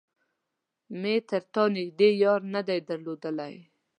مې تر تا نږدې يار نه دی درلودلی.